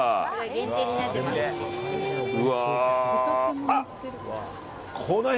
限定になってますので。